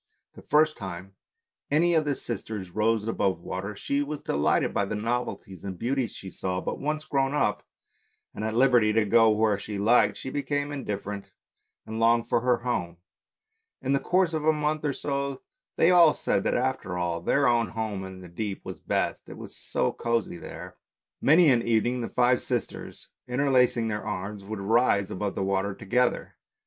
The first time any of the sisters rose above the water she was delighted by the novelties and beauties she saw; but once grown up, and at liberty to go where she liked, she became indifferent and longed for her home; in the course of a month or so they all said that after all their own home in the deep was best, it was so cosy there. Many an evening the five sisters interlacing their arms would rise above the water together.